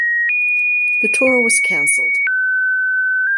The tour was cancelled.